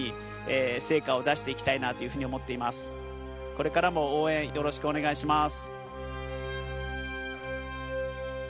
これからも応援よろしくお願いします。